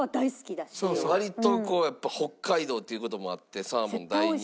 割とやっぱ北海道っていう事もあってサーモン大人気。